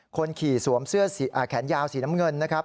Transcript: คนขี่สวมเสื้อแขนยาวสีน้ำเงินนะครับ